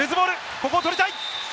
ここは取りたい。